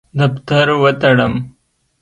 دفتر وتړم.